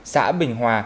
xã bình hòa